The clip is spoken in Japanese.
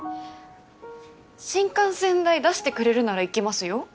新幹線代出してくれるなら行きますよ。